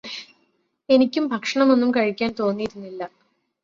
എനിക്കും ഭക്ഷണമൊന്നും കഴിക്കാൻ തോന്നിയിരുന്നില്ലാ